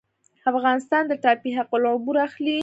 افغانستان د ټاپي حق العبور اخلي